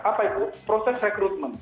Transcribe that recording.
apa itu proses rekrutmen